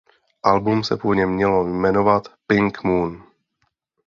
Album se původně mělo jmenovat "Pink Moon".